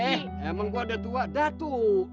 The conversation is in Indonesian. eh emang gua detua datuk